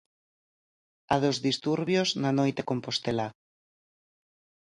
A dos disturbios na noite compostelá.